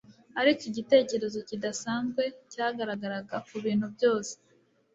Ariko igitekerezo kidasanzwe cyagaragaraga ku bintu byose.